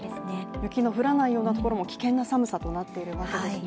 雪の降らないような所も危険な寒さとなっているわけですね。